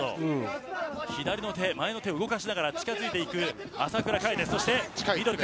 左の手、前の手を動かしながら近づいていく朝倉海。